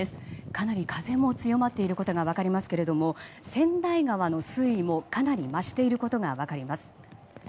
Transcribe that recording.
かなり風も強まっていることが分かりますけれどもセンダイ川の水位もかなり増していることが分かります。